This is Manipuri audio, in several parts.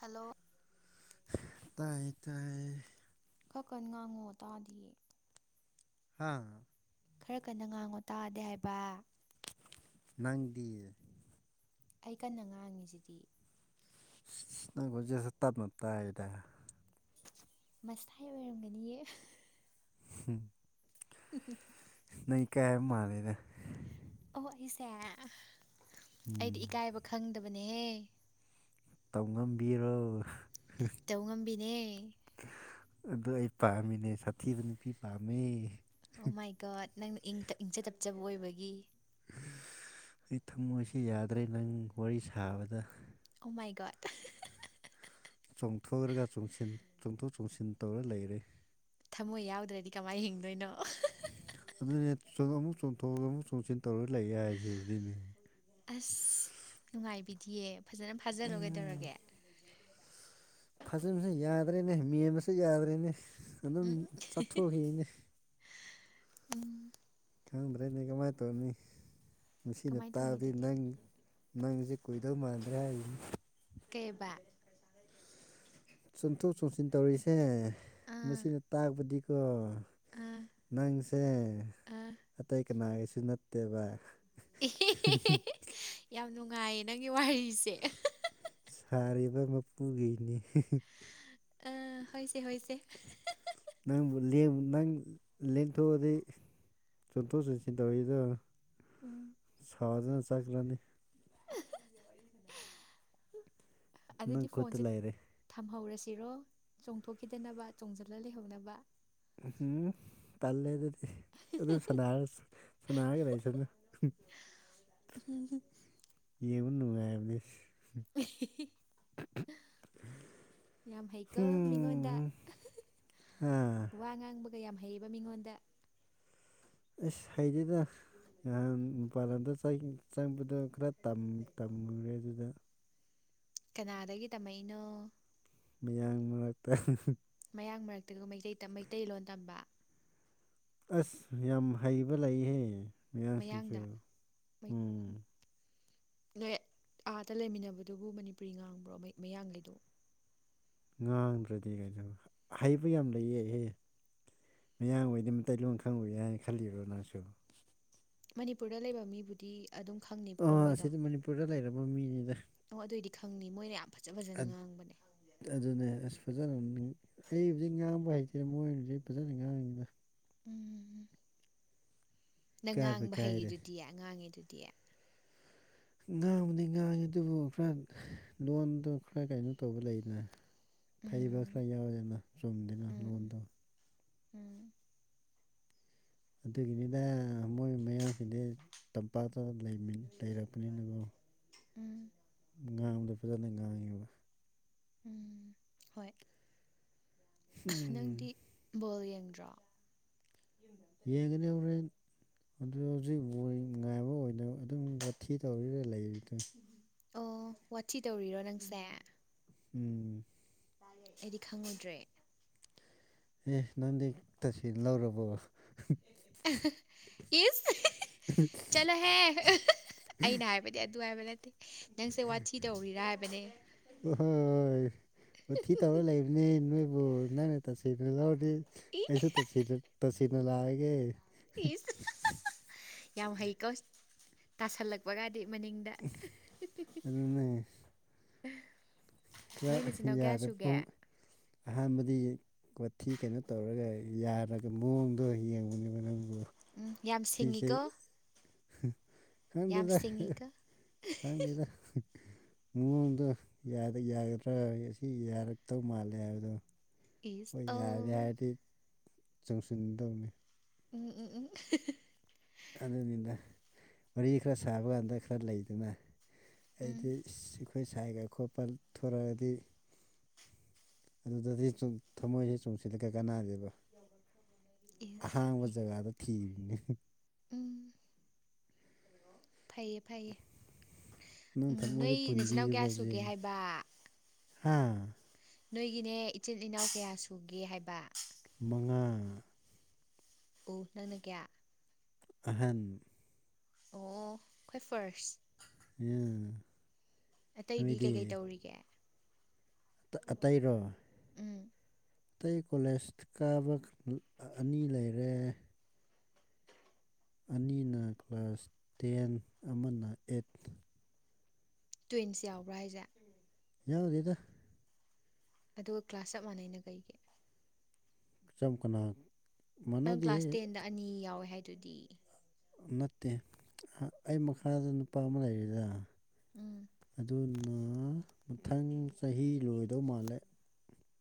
ꯍꯜꯂꯣ ꯇꯥꯏ ꯇꯥꯏꯌꯦ ꯈ ꯀꯟ ꯉꯥꯡꯉꯣ ꯇꯥꯥꯗꯤꯌꯦ ꯍꯥꯥ ꯈꯔ ꯀꯟꯅ ꯉꯥꯡꯉꯣ ꯇꯥꯗꯦ ꯍꯥꯏꯕ ꯅꯪꯗꯤ ꯑꯩ ꯀꯟꯅ ꯉꯥꯡꯉꯤꯁꯤꯗꯤ ꯅꯪ ꯈꯣꯟꯖꯦꯜꯁꯨ ꯇꯞꯅ ꯇꯥꯏꯗ ꯃꯁꯥꯏ ꯑꯣꯏꯔꯝꯒꯅꯤꯌꯦ ꯍꯨꯝ [unintelligible] ꯅꯪ ꯏꯀꯥꯏꯕ ꯃꯥꯜꯂꯤꯗ ꯑꯣ ꯑꯩꯁꯦ ꯑꯩꯗꯤ ꯎꯝ ꯏꯀꯥꯏꯕ ꯈꯪꯗꯕꯅꯦꯍꯦ ꯇꯧꯉꯝꯕꯤꯔꯣ ꯇꯧ ꯉꯝꯕꯤꯅꯦ ꯑꯗꯨ ꯑꯩ ꯄꯥꯝꯃꯤꯅꯦ ꯁꯥꯊꯤꯕ ꯅꯨꯄꯤ ꯄꯥꯝꯃꯦ ꯑꯣ ꯃꯥꯏꯒꯣꯠ ꯅꯪꯅ ꯏꯪꯖ ꯇꯞꯆꯕ ꯑꯣꯏꯕꯒꯤ ꯑꯩ ꯊꯝꯃꯣꯏꯁꯤ ꯌꯥꯗ꯭ꯔꯦ ꯅꯪ ꯋꯥꯔꯤ ꯁꯥꯕꯗ ꯑꯣ ꯃꯥꯏ ꯒꯣꯠ ꯑ ꯆꯣꯡꯊꯣꯛꯔꯒ ꯆꯣꯡꯁꯤꯟ ꯆꯣꯡꯊꯣꯛ ꯆꯣꯡꯁꯤꯟ ꯇꯧꯔ ꯂꯩꯔꯦ ꯊꯃꯣꯏ ꯌꯥꯎꯗ꯭ꯔꯗꯤ ꯀꯃꯥꯏ ꯍꯤꯡꯗꯣꯏꯅꯣ ꯑꯗꯨꯅꯦ ꯑꯃꯨꯛ ꯑꯃꯨꯛ ꯆꯣꯡꯊꯣꯛ ꯆꯣꯡꯁꯤꯟ ꯇꯧꯔ ꯂꯩꯌꯦ ꯍꯥꯏꯁꯦ ꯑꯗꯨꯒꯤꯅꯦ ꯑꯁ ꯅꯨꯡꯉꯥꯏꯕꯤꯗꯤꯌꯦ ꯐꯖꯅ ꯐꯥꯖꯜꯂꯣ ꯎꯝ ꯀꯩꯗꯧꯔꯒꯦ ꯐꯥꯖꯤꯟꯕꯁꯨ ꯌꯥꯗ꯭ꯔꯦꯅꯦ ꯃꯦꯟꯕꯁꯨ ꯌꯥꯗ꯭ꯔꯦꯅꯦ ꯑꯗꯨꯝ ꯎꯝ ꯆꯠꯊꯣꯛꯈꯤꯅꯦ [unintelligible] ꯈꯪꯗ꯭ꯔꯅꯦ ꯀꯃꯥꯏꯅ ꯇꯧꯅꯤ ꯁꯤꯅ ꯀꯃꯥꯏꯅ ꯇꯧꯅꯤ ꯇꯥꯕꯗꯤ ꯑꯗꯨꯗꯤ ꯅꯪ ꯅꯪꯁꯦ ꯀꯨꯏꯗꯧ ꯃꯥꯟꯗ꯭ꯔꯦ ꯍꯥꯏꯅꯤ ꯀꯩꯕ ꯆꯣꯡꯊꯣꯛ ꯆꯣꯡꯁꯤꯟ ꯇꯧꯔꯤꯁꯦ ꯑꯥ ꯃꯁꯤꯅ ꯇꯥꯛꯄꯗꯤꯀꯣ ꯑꯥ ꯅꯪꯁꯦ ꯑꯥ ꯑꯇꯩ ꯀꯅꯥꯒꯤꯁꯨ ꯅꯠ ꯇꯦꯕꯥ [unintelligible] ꯌꯥꯝ ꯅꯨꯡꯉꯥꯏꯌꯦ ꯅꯪꯒꯤ ꯋꯥꯔꯤꯁꯦ [unintelligible] ꯔꯤꯕ ꯃꯄꯨꯒꯤꯅꯤ ꯑꯥ ꯍꯣꯏꯁꯦ ꯍꯣꯏꯁꯦ ꯅꯪꯕꯨ ꯂꯦꯡ ꯅꯪ ꯂꯦꯡꯊꯣꯛꯑꯗꯤ ꯆꯠꯊꯣꯛ ꯆꯠꯁꯤꯟ ꯇꯧꯔꯤꯔꯣ ꯎꯝ ꯁꯥꯎꯗꯨꯅ ꯆꯠꯈꯔꯅꯤ ꯅꯪ ꯑꯗꯨꯗꯤ ꯈꯨꯠꯇ ꯐꯣꯟꯁꯦ ꯂꯩꯔꯦ ꯊꯝꯍꯧꯔꯁꯤꯔꯣ ꯆꯣꯡꯊꯣꯛꯈꯤꯗꯅꯕ ꯆꯣꯡꯖꯤꯜꯂ ꯂꯩꯍꯧꯅꯕ ꯎꯝ ꯇꯜꯂꯦ ꯑꯗꯨꯗꯤ ꯑꯗꯨꯝ ꯁꯥꯅꯔ ꯁꯥꯅꯔꯒ ꯂꯩꯁꯅꯣ [unintelligible] ꯌꯦꯡꯉꯨ ꯅꯨꯡꯉꯥꯏꯕꯅꯦ ꯌꯥꯝ ꯍꯩꯀꯣ ꯃꯤꯉꯣꯟꯗ ꯍꯨꯝ ꯍꯥ ꯋꯥ ꯉꯥꯡꯕꯒ ꯌꯥꯝ ꯍꯩꯌꯦꯕ ꯃꯤꯉꯣꯟꯗ ꯑꯁ ꯍꯩꯇꯦꯗ ꯅꯍꯥꯟ ꯃꯄꯥꯟꯂꯝꯗ ꯆꯪ ꯆꯪꯕꯗ ꯈꯔ ꯇꯝ ꯇꯝꯃꯨꯔꯦ ꯑꯗꯨꯗ ꯀꯅꯥꯗꯒꯤ ꯇꯝꯃꯛꯏꯅꯣ ꯃꯌꯥꯡ ꯃꯔꯛꯇ ꯃꯌꯥꯡ ꯃꯔꯛꯇꯒ ꯃꯩꯇꯩ ꯇꯝ ꯃꯩꯇꯩꯂꯣꯟ ꯇꯝꯕ ꯑꯁ ꯌꯥꯝ ꯍꯩꯕ ꯂꯩꯍꯦ ꯃꯌꯥꯡꯁꯤꯡꯁꯨ ꯃꯌꯥꯡꯗ ꯃꯩ- ꯎꯝ ꯅꯣꯏ ꯑꯗꯥ ꯂꯩꯃꯤꯟꯅꯕꯗꯨꯕꯨ ꯃꯅꯤꯄꯨꯔꯤ ꯉꯥꯡꯕ꯭ꯔꯣ ꯃꯌꯥꯡ ꯃꯌꯥꯡꯒꯩꯗꯣ ꯉꯥꯡꯗ꯭ꯔꯥꯗꯤ ꯀꯩꯅꯣ ꯍꯩꯕ ꯌꯥꯝ ꯂꯩꯌꯦ ꯍꯦ ꯃꯌꯥꯡ ꯑꯣꯏꯗꯤ ꯃꯩꯇꯩꯂꯣꯟ ꯈꯪꯉꯣꯏ ꯍꯥꯏꯅ ꯈꯜꯂꯤꯔꯣ ꯅꯪꯁꯨ ꯃꯅꯤꯄꯨꯔꯗ ꯂꯩꯕ ꯃꯤꯕꯨꯗꯤ ꯑꯗꯨꯝ ꯈꯪꯅꯤ ꯑꯣ ꯁꯤꯗꯤ ꯃꯅꯤꯄꯨꯔꯗ ꯂꯩꯔꯕ ꯃꯤꯅꯤꯗ ꯑꯣ ꯑꯗꯨꯑꯣꯏꯗꯤ ꯈꯪꯅꯤ ꯃꯣꯏꯅ ꯌꯥꯝ ꯐꯖꯥ ꯐꯖꯅꯥ ꯑꯠ- ꯉꯥꯡꯕꯅꯦ ꯑꯗꯨꯅꯦ ꯑꯁ ꯐꯖꯅꯥ ꯑꯩ ꯍꯧꯖꯤꯛ ꯉꯥꯡꯕ ꯍꯩꯇꯦ ꯃꯣꯏ ꯍꯧꯖꯤꯛ ꯐꯖꯅꯥ ꯉꯥꯡꯉꯤꯗ ꯎꯝ꯫ ꯅꯪ ꯏꯀꯥꯏꯕꯨ ꯉꯥꯡꯕ ꯏꯀꯥꯏꯗꯦ ꯍꯩꯔꯤꯗꯨꯗꯤ ꯉꯥꯡꯉꯤꯗꯨꯗꯤ ꯉꯥꯡꯕꯨꯗꯤ ꯉꯥꯡꯉꯤ ꯑꯗꯨꯕꯨ ꯈꯔ ꯂꯣꯟꯗꯣ ꯈꯔ ꯀꯩꯅꯣ ꯇꯧꯕ ꯂꯩꯗꯅ ꯐꯩꯕ ꯎꯝ ꯈꯔ ꯌꯥꯎꯋꯤꯗꯅ ꯆꯨꯝꯗꯦꯅ ꯎꯝ ꯂꯣꯟꯗꯣ ꯎꯝ꯫ ꯑꯗꯨꯒꯤꯅꯤꯗ ꯃꯣꯏ ꯃꯌꯥꯡꯁꯤꯡꯗꯤ ꯇꯝꯄꯥꯛꯇ ꯂꯩꯃꯤꯟ ꯂꯩꯔꯛꯄꯅꯤꯅꯀꯣ ꯎꯝ꯫ ꯉꯥꯡꯕꯗꯣ ꯐꯖꯅꯥ ꯉꯥꯡꯉꯦꯕ ꯎꯝ ꯍꯣꯏ ꯎꯝ ꯅꯪꯗꯤ ꯕꯣꯜ ꯌꯦꯡꯗ꯭ꯔꯣ ꯌꯦꯡꯒꯅꯤ ꯍꯣꯔꯦꯟ ꯑꯗꯨ ꯍꯧꯖꯤꯛ ꯕꯣꯜ ꯉꯥꯏꯕ ꯑꯣꯏꯅ ꯑꯗꯨꯝ ꯋꯥꯊꯤ ꯇꯧꯔꯤꯔ ꯂꯩꯔꯤꯗꯣ ꯑꯣ ꯋꯥꯊꯤ ꯇꯧꯔꯤꯔꯣ ꯅꯪꯁꯦ ꯎꯝ꯫ ꯑꯩꯗꯤ ꯈꯪꯉꯨꯗ꯭ꯔꯦ ꯑꯦ ꯅꯪꯗꯤ ꯇꯁꯦꯡ ꯂꯧꯔꯕꯣ ꯏꯁ ꯆꯠꯂꫭꯍꯦ ꯑꯩꯅ ꯍꯥꯏ ꯕꯗꯤ ꯑꯗꯨ ꯍꯥꯏꯕ ꯅꯠꯇꯦ ꯅꯪꯁꯦ ꯋꯥꯊꯤ ꯇꯧꯔꯤꯔꯥ ꯍꯥꯏꯕꯅꯦ ꯅꯦ ꯅꯣꯏꯕꯨ ꯅꯪꯅ ꯇꯁꯦꯡꯅ ꯂꯧꯔꯗꯤ ꯏ ꯑꯩꯁꯨ ꯇꯁꯦꯡꯅ ꯇꯁꯦꯡꯅ ꯂꯥꯛꯑꯒꯦ ꯏꯁ ꯌꯥꯝ ꯍꯩꯀꯣ ꯇꯥꯁꯜꯂꯛꯄꯒꯗꯤ ꯃꯅꯤꯡꯗ ꯑꯗꯨꯅꯦ ꯈꯔ ꯅꯣꯏ ꯅꯆꯤꯟꯅꯥꯎ ꯀꯌꯥ ꯁꯨꯒꯦ ꯌꯥꯗꯕ ꯑꯍꯥꯟꯕꯗꯤ ꯀꯣꯊꯤ ꯀꯩꯅꯣ ꯇꯧꯔꯒ ꯌꯥꯔꯒ ꯃꯑꯣꯡꯗꯣ ꯌꯦꯡꯕꯅꯦꯕ ꯅꯪꯕꯨ ꯎꯝ ꯌꯥꯝ ꯁꯤꯁꯦ ꯁꯤꯡꯉꯤꯀꯣ [inaudible] ꯌꯥꯝ ꯁꯤꯡꯉꯤꯀꯣ ꯗꯦꯗꯥ ꯃꯥꯑꫭꯡꯗꯣ ꯌꯥꯗ ꯌꯥꯒꯗ꯭ꯔꯥ ꯑꯁꯤ ꯌꯥꯔꯛꯇꯧ ꯃꯥꯜꯂꯦ ꯍꯥꯏꯕꯗꯣ ꯏꯁ ꯍꯣꯏ ꯌꯥꯔꯦ ꯑꯧ ꯍꯥꯏꯔꯗꯤ ꯆꯪꯁꯤꯟꯗꯧꯅꯤ ꯎꯝ ꯎꯝ ꯎꯝ ꯑꯗꯨꯅꯤꯗ ꯋꯥꯔꯤ ꯈꯔ ꯁꯥꯕ ꯀꯥꯟꯗ ꯈꯔ ꯂꯩꯗꯅ ꯎꯝ ꯑꯩꯗꯤ ꯏꯁ ꯑꯩꯈꯣꯏ ꯁꯥꯏꯒ ꯈꯣꯠꯄꯥꯜ ꯊꯣꯔꯛꯑꯗꯤ ꯑꯗꯨꯗꯗꯤ ꯁꯨꯝ ꯊꯝꯃꯣꯏꯁꯦ ꯆꯣꯡꯁꯤꯜꯂꯒ ꯀꯩ ꯀꯅꯥꯗꯣꯏꯕ ꯏꯁ ꯑꯍꯥꯡꯕ ꯖꯒꯥꯗ ꯊꯤꯔꯤꯅꯦ ꯎꯝ ꯐꯩꯑꯦ ꯐꯩꯌꯦ ꯅꯪ ꯊꯃꯣꯏꯗ ꯅꯣꯏ ꯅꯆꯤꯟꯅꯥꯎ ꯀꯌꯥ ꯄꯨꯟꯕꯤꯈ꯭ꯔꯣꯁꯦ ꯁꯨꯒꯦ ꯍꯥꯏꯕ ꯍꯥ ꯅꯣꯏꯒꯤꯅꯦ ꯏꯆꯤꯜ ꯏꯅꯥꯎ ꯀꯌꯥ ꯁꯨꯒꯦ ꯍꯥꯏꯕ ꯃꯉꯥ ꯑꯣ ꯅꯪꯅ ꯀꯌꯥ ꯑꯍꯟ ꯑꯣ ꯈ꯭ꯋꯥꯏ ꯐꯥꯔꯁ ꯎꯝ ꯑꯇꯩꯗꯤ ꯀꯩꯀꯩ ꯇꯧꯔꯤꯒꯦ ꯇ ꯑꯇꯩꯔꯣ ꯎꯝ ꯑꯇꯩ ꯀꯣꯂꯦꯖ ꯀꯥꯕ ꯑꯅꯤ ꯂꯩꯔꯦ ꯑꯅꯤꯅ ꯀ꯭ꯂꯥꯁ ꯇꯦꯟ ꯑꯃꯅ ꯑꯦꯠ ꯇ꯭ꯋꯤꯟꯁ ꯌꯥꯎꯕ꯭ꯔꯥ ꯍꯥꯏꯖꯦ ꯌꯥꯎꯗꯦꯗ ꯑꯗꯨꯒ ꯀ꯭ꯂꯥꯁ ꯆꯞ ꯃꯥꯟꯅꯩꯅ ꯀꯩꯒꯤ ꯆꯝ ꯀꯅꯥ ꯅꯪ ꯃꯥꯟꯅꯗꯦꯍꯦ ꯀ꯭ꯂꯥꯁ ꯇꯦꯟꯗ ꯑꯅꯤ ꯌꯥꯎꯋꯦ ꯍꯥꯏꯗꯨꯗꯤ ꯅꯠꯇꯦ ꯑ ꯑꯩ ꯃꯈꯥꯗ ꯅꯨꯄꯥ ꯑꯃ ꯂꯩꯔꯦꯅꯥ ꯎꯝ ꯑꯗꯨꯅ ꯃꯊꯪ ꯆꯍꯤ ꯂꯣꯏꯗꯧ ꯃꯥꯜꯂꯦ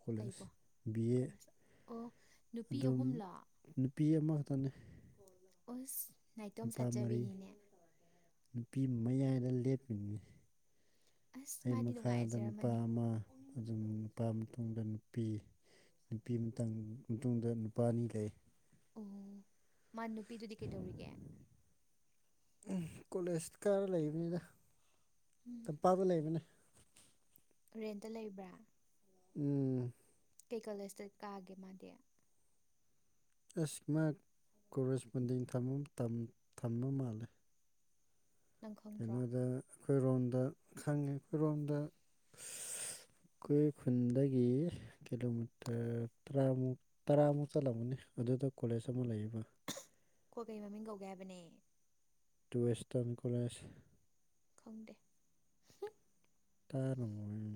ꯀꯣꯂꯦꯖ ꯀꯩꯕꯣ ꯕꯤ ꯑꯦ ꯀꯣꯂꯦꯖ ꯑꯣ ꯅꯨꯄꯤ ꯑꯗꯨ ꯑꯍꯨꯝꯂꯣ ꯅꯨꯄꯤ ꯑꯃ ꯈꯛꯇꯅꯦ ꯑꯣꯁ ꯅꯨꯄꯥ ꯃꯔꯤ ꯅꯨꯄꯤ ꯃꯌꯥꯏꯗ ꯂꯦꯞꯄꯤꯅꯦ ꯑꯁ ꯑꯩ ꯃꯥꯗꯤ ꯃꯈꯥꯗ ꯅꯨꯄꯥ ꯅꯨꯡꯉꯥꯏꯖꯔꯝꯃꯅꯤ ꯑꯃ ꯑꯗꯨꯝ ꯅꯨꯄꯥ ꯃꯇꯨꯡꯗ ꯅꯨꯄꯤ ꯅꯨꯄꯤ ꯃꯊꯪ ꯃꯇꯨꯡꯗ ꯅꯨꯄꯥ ꯑꯅꯤ ꯂꯩ ꯑꯣ ꯃꯥ ꯅꯨꯄꯤꯗꯨꯗꯤ ꯀꯩꯗꯧꯔꯤꯒꯦ ꯎꯝ ꯀꯣꯂꯦꯖ ꯀꯥꯔ ꯂꯩꯕꯅꯤꯗ ꯎꯝ ꯇꯝꯄꯥꯛꯇ ꯂꯩꯕꯅꯦ ꯔꯦꯟꯇ ꯂꯩꯕ꯭ꯔꯥ ꯎꯝ ꯀꯩ ꯀꯣꯂꯦꯁꯇ ꯀꯥꯒꯦ ꯃꯥꯗꯤ ꯑꯁ ꯃꯥ ꯀꯣꯔꯦꯁꯄꯣꯟꯗꯤꯡ ꯇꯝꯒꯨꯝ ꯇꯝ ꯇꯝꯕ ꯃꯥꯜꯂꯦ ꯅꯪ ꯈꯪꯗ꯭ꯔꯣ ꯀꯩꯅꯣꯗ ꯑꯩꯈꯣꯏꯔꯣꯝꯗ ꯈꯪꯉꯦ ꯑꯩꯈꯣꯏꯔꯣꯝꯗ ꯁꯁ ꯑꯩꯈꯣꯏ ꯈꯨꯟꯗꯒꯤ ꯀꯤꯂꯣꯃꯤꯇꯔ ꯇꯔꯥꯃꯨꯛ ꯇꯔꯥꯃꯨꯛ ꯆꯠꯂꯝꯒꯅꯤ ꯑꯗꯨꯗ ꯀꯣꯂꯦꯖ ꯑꯃ ꯂꯩꯌꯦꯕ ꯀꯣ ꯀꯩ ꯃꯃꯤꯡ ꯀꯧꯒꯦ ꯍꯥꯏꯕꯅꯦ ꯇꯨ ꯋꯦꯁꯇꯔꯟ ꯀꯣꯂꯦꯖ ꯈꯪꯗꯦ ꯇꯥꯔꯝꯃꯣꯏ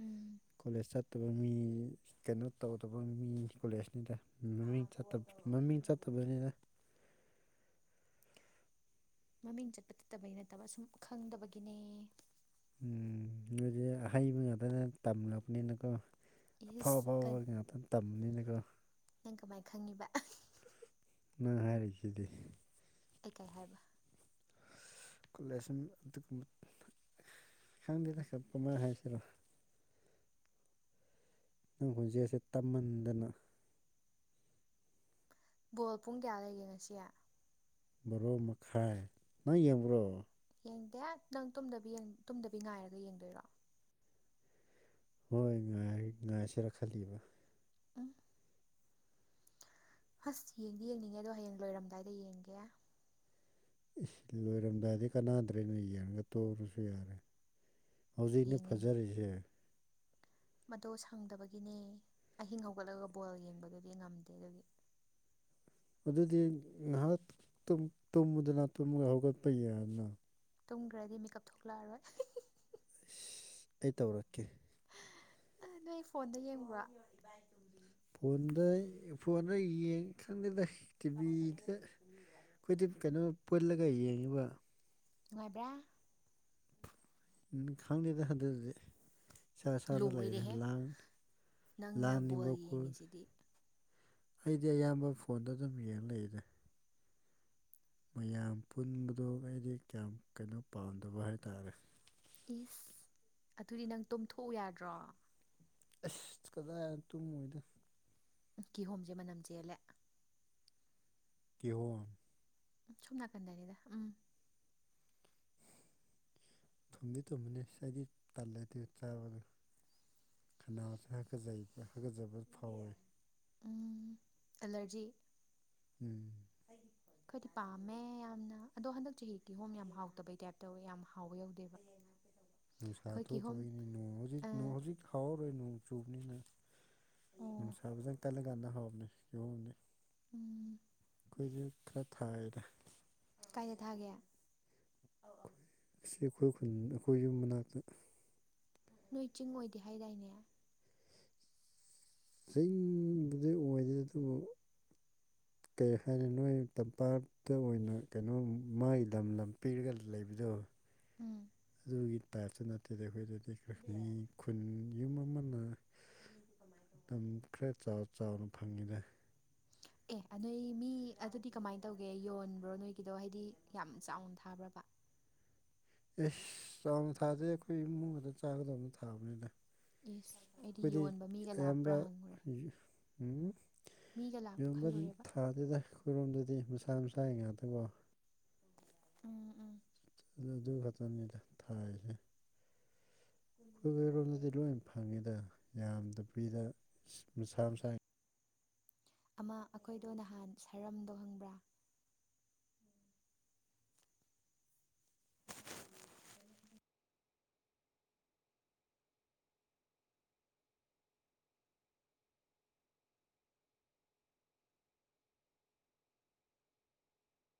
ꯎꯝ ꯀꯣꯂꯦꯖ ꯆꯠꯇꯕ ꯃꯤ ꯀꯩꯅꯣ ꯇꯧꯗꯕ ꯃꯤ ꯀꯣꯂꯦꯖꯅꯤꯗꯥ ꯃꯃꯤꯡ ꯆꯠꯇꯕ ꯃꯃꯤꯡ ꯆꯠꯇꯕꯅꯤꯗ ꯃꯃꯤꯡ ꯆꯠꯄ ꯆꯠꯇꯕꯩ ꯅꯠꯇꯕ ꯁꯨꯝ ꯈꯪꯗꯕꯒꯤꯅꯦ ꯎꯝ ꯅꯣꯏꯗꯤ ꯑꯍꯩꯕ ꯉꯥꯇꯅ ꯇꯝꯂꯛꯄꯅꯤꯅꯀꯣ ꯑꯐꯥꯎ ꯏꯁ ꯑꯐꯥꯎꯕ ꯉꯥꯛꯇꯥ ꯇꯝꯕꯅꯤꯅꯀꯣ ꯅꯪ ꯀꯃꯥꯏ ꯈꯪꯉꯤꯕ ꯅꯪ ꯍꯥꯏꯔꯤꯁꯤꯗꯤ ꯑꯩ ꯀꯩ ꯍꯥꯏꯕ ꯀꯣꯂꯦꯁꯟ ꯑꯗꯨꯒꯨꯝ ꯈꯪꯗꯦꯗ ꯀꯃꯥꯏ ꯍꯥꯏꯁꯤꯔꯥ ꯅꯪ ꯈꯣꯟꯖꯦꯟꯁꯦ ꯇꯞꯃꯟꯗꯅ ꯕꯣꯜ ꯄꯨꯡ ꯀꯌꯥ ꯂꯩꯒꯦ ꯉꯁꯤ ꯕꯥꯔꯣ ꯃꯈꯥꯏ ꯅꯪ ꯌꯦꯡꯕ꯭ꯔꯣ ꯌꯦꯡꯗꯦ ꯅꯪ ꯇꯨꯝꯗꯕꯤ ꯌꯦꯡ ꯇꯨꯝꯗꯕꯤ ꯉꯥꯏꯔꯒ ꯌꯦꯡꯗꯣꯏꯔꯣ ꯍꯣꯏ ꯉꯥꯏ ꯉꯥꯏꯁꯤꯔꯥ ꯈꯜꯂꯤꯕ ꯎꯝ ꯍꯁ ꯌꯦꯡꯗꯤ ꯌꯦꯡꯅꯤꯡꯉꯦ ꯑꯗꯣ ꯍꯌꯦꯡ ꯂꯣꯏꯔꯝꯗꯥꯏꯗ ꯌꯦꯡꯒꯦ ꯏꯁ ꯂꯣꯏꯔꯝꯗꯥꯏꯗꯤ ꯀꯅꯥꯗ꯭ꯔꯦꯅꯦ ꯌꯦꯡꯔꯒ ꯇꯣꯛꯔꯥꯁꯨ ꯌꯥꯔꯦ ꯍꯧꯖꯤꯛꯅꯦ ꯌꯦꯡꯅꯤꯡ ꯐꯖꯔꯤꯁꯦ ꯃꯗꯣ ꯁꯪꯗꯕꯒꯤꯅꯦ ꯑꯍꯤꯡ ꯍꯧꯒꯠꯂꯒꯥ ꯕꯣꯜ ꯌꯦꯡꯕꯗꯨꯗꯤ ꯉꯝꯗꯦ ꯑꯗꯨꯒꯤ ꯑꯗꯨꯗꯤ ꯉꯥꯏꯍꯥꯛ ꯇꯨꯝ ꯇꯨꯝꯃꯨꯗꯅ ꯇꯨꯝꯃꯒ ꯍꯧꯒꯠꯄ ꯌꯥꯏꯅ ꯇꯨꯝꯒ꯭ꯔꯥꯗꯤ ꯃꯤꯀꯞ ꯊꯣꯛꯂꯛꯑꯔꯣꯏ ꯁꯤ ꯑꯩ ꯇꯧꯔꯛꯀꯦ ꯑꯥ ꯅꯣꯏ ꯐꯣꯟꯗ ꯌꯦꯡꯕ꯭ꯔꯥ ꯐꯣꯟꯗ ꯐꯣꯟꯗ ꯌꯦꯡ ꯈꯪꯗꯗ ꯇꯤꯚꯤꯗ ꯑꯩꯗꯤ ꯀꯩꯅꯣ ꯄꯨꯜꯂꯒꯥ ꯌꯦꯡꯉꯤꯕ ꯅꯨꯡꯉꯥꯏꯕ꯭ꯔꯥ ꯎꯝ ꯈꯪꯗꯦꯗ ꯑꯗꯨꯗꯤ ꯏꯁꯥ ꯏꯁꯥꯗ ꯂꯩꯥꯔꯦ ꯂꯣꯏꯔꯦꯍꯦ ꯂꯥꯡ ꯅꯪꯅ ꯕꯣꯜ ꯂꯪꯅꯤꯡꯕ ꯈꯨ ꯌꯦꯡꯉꯤꯁꯤꯗꯤ ꯑꯩꯗꯤ ꯑꯌꯥꯝꯕ ꯐꯣꯟꯗ ꯑꯗꯨꯝ ꯌꯦꯡ ꯂꯩꯔꯦ ꯃꯌꯥꯝ ꯄꯨꯟꯕꯗꯣ ꯑꯩꯗꯤ ꯀꯌꯥꯝ ꯀꯩꯅꯣ ꯄꯥꯝꯗꯕ ꯍꯥꯏꯇꯥꯔꯦ ꯏꯁ ꯑꯗꯨꯗꯤ ꯅꯪ ꯇꯣꯝꯊꯣꯛꯎ ꯌꯥꯗ꯭ꯔꯣ ꯑꯁ ꯀꯗꯥꯏ ꯇꯨꯝꯃꯣꯏꯗ ꯎꯝ ꯀꯤꯍꯣꯝꯖꯦ ꯃꯅꯝ ꯆꯦꯜꯂꯦ ꯀꯤꯍꯣꯝ ꯁꯣꯝ ꯅꯥꯀꯟꯗꯅꯤꯗ ꯎꯝ ꯊꯨꯝꯗꯤ ꯊꯨꯝꯕꯅꯤ ꯑꯩꯗꯤ ꯇꯜꯂꯦꯗꯤ ꯆꯥꯕꯗ ꯈꯅꯥꯎ ꯁꯤ ꯍꯥꯀꯥꯖꯩ ꯍꯥꯒꯠꯖꯕ ꯐꯥꯎꯋꯦ ꯎꯝ ꯑꯦꯂꯔꯖꯤ ꯎꯝ ꯈꯣꯏꯗꯤ ꯄꯥꯝꯃꯦ ꯌꯥꯝꯅ ꯑꯗꯣ ꯍꯟꯗꯛ ꯆꯍꯤ ꯀꯤꯍꯣꯝ ꯌꯥꯝ ꯍꯥꯎꯇꯕꯩ ꯇꯥꯏꯞ ꯇꯧꯋꯦ ꯌꯥꯝ ꯍꯥꯎꯕ ꯌꯧꯗꯦꯕ ꯅꯨꯡꯁꯥ ꯑꯩꯈꯣꯏ ꯀꯤꯍꯣꯝ ꯊꯣꯛꯇꯥꯕꯩꯅꯤ ꯅꯣꯡ ꯍꯧꯖꯤꯛ ꯑꯥ ꯅꯣꯡ ꯍꯧꯖꯤꯛ ꯍꯥꯎꯔꯣꯏ ꯅꯣꯡ ꯆꯨꯕꯅꯤꯅ ꯑꯣ ꯅꯨꯡꯁꯥ ꯐꯖꯥ ꯀꯜꯂꯀꯥꯟꯗ ꯍꯥꯎꯕꯅꯤ ꯀꯤꯍꯣꯝꯗꯤ ꯎꯝ ꯈꯣꯏꯒꯤ ꯈꯔ ꯊꯥꯏꯗ ꯀꯥꯏꯗꯥ ꯊꯥꯒꯦ ꯑꯁꯤ ꯑꯩꯈꯣꯏ ꯈꯨꯟꯒꯤ ꯑꯩꯈꯣꯏ ꯌꯨꯝ ꯃꯅꯥꯛꯇ ꯅꯣꯏ ꯆꯤꯡ ꯑꯣꯏꯗꯦ ꯍꯥꯏꯗꯥꯏꯅꯦ ꯆꯤꯡꯕꯨꯗꯤ ꯑꯣꯏꯗꯦ ꯑꯗꯨꯕꯨ ꯀꯔꯤ ꯍꯥꯏꯅꯤ ꯅꯣꯏ ꯇꯝꯄꯥꯛ ꯇ ꯑꯣꯏꯅ ꯀꯩꯅꯣ ꯃꯥꯒꯤ ꯂꯝ ꯂꯝ ꯄꯤꯔꯒ ꯂꯩꯕꯗꯣ ꯎꯝ ꯑꯗꯨꯒꯤ ꯇꯥꯏꯞꯇ ꯅꯠꯇꯦꯗ ꯑꯩꯈꯣꯏꯗꯗꯤ ꯃꯤ ꯈꯨꯟ ꯌꯨꯝ ꯑꯃꯅ ꯂꯝ ꯈꯔ ꯆꯥꯎ ꯆꯥꯎꯅ ꯐꯪꯉꯤꯗ ꯑꯦ ꯅꯣꯏ ꯃꯤ ꯑꯗꯨꯗꯤ ꯀꯃꯥꯏꯅ ꯇꯧꯒꯦ ꯌꯣꯟꯕ꯭ꯔꯣ ꯅꯣꯏꯒꯤꯗꯣ ꯍꯥꯏꯗꯤ ꯌꯥꯝ ꯆꯥꯎꯅ ꯊꯥꯕ꯭ꯔꯕ ꯢꯁ ꯆꯥꯎꯅ ꯊꯥꯗꯦ ꯑꯩꯈꯣꯏ ꯏꯃꯨꯡ ꯈꯇ ꯆꯥꯒꯗꯧꯕ ꯊꯥꯕꯅꯤꯗ ꯢꯁ ꯑꯩꯗꯤ ꯑꯩꯈꯣꯏꯗꯤ ꯌꯣꯟꯕ ꯃꯤꯒ ꯂꯥꯛꯄ꯭ꯔꯥ ꯑꯌꯥꯝꯕ ꯍꯪꯉꯨꯔꯦ ꯎꯝ ꯃꯤꯒ ꯂꯥꯛꯄ ꯌꯣꯟꯕ ꯈꯜꯂꯨꯔꯦꯕ ꯊꯥꯗꯦꯗ ꯑꯈꯣꯏꯔꯣꯝꯗꯗꯤ ꯃꯁꯥ ꯃꯁꯥꯒꯤ ꯉꯥꯛꯇꯒꯣ ꯎꯝ ꯎꯝ ꯑꯗꯨ ꯑꯗꯨ ꯈꯛꯇꯅꯤꯗ ꯊꯥꯔꯤꯁꯦ ꯑꯩꯈꯣꯏꯔꯣꯝꯗꯗꯤ ꯂꯣꯏ ꯐꯪꯉꯤꯗ ꯌꯥꯝꯗꯕꯤꯗ ꯃꯁꯥ ꯃꯁꯥ ꯑꯃ ꯑꯩꯈꯣꯏꯗꯣ ꯅꯍꯥꯟ ꯁꯔꯝꯗꯣ ꯈꯪꯕ꯭ꯔꯥ